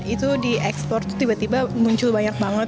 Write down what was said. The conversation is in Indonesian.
itu di ekspor tuh tiba tiba muncul banyak banget